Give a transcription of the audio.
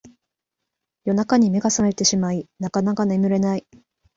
夜中に目が覚めてしまいなかなか眠れない